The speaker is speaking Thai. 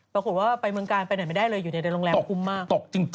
ปรากฏว่าไปเมืองกาลไปไหนไม่ได้เลยอยู่ในโรงแรมคุ้มมาก